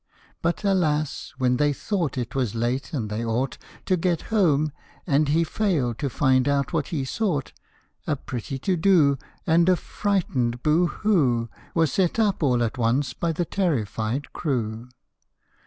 But, alas ! when they thought It was late, and they ought To get home, and he failed to find out what he sought, A pretty to do And a frightened " bohoo !" Was set up all at once by the terrified crew.